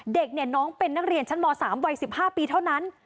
เด็กเนี่ยน้องเป็นนักเรียนชั้นม๓วัย๑๕ปีเท่านั้น